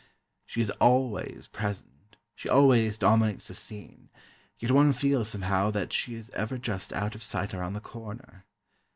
She is always present, she always dominates the scene, yet one feels somehow that she is ever just out of sight around the corner.